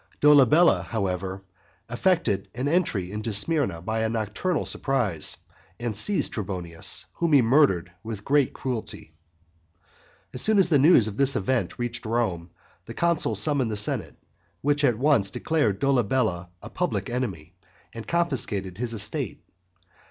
Dolabella, however, effected an entry into Smyrna by a nocturnal surprise, and seized Trebonius, whom he murdered with great cruelty. As soon as the news of this event reached Rome, the consul summoned the senate, which at once declared Dolabella a public enemy, and confiscated his estate.